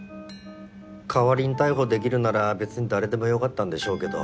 代わりに逮捕できるならべつに誰でも良かったんでしょうけど。